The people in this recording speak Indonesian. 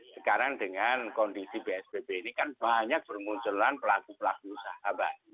sekarang dengan kondisi bsbb ini kan banyak permunculan pelaku pelaku usaha baru